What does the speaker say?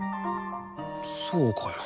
そうかよ。